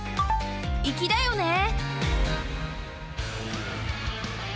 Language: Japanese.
粋だよねー。